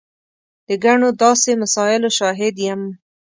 د ګڼو داسې مسایلو شاهد یم.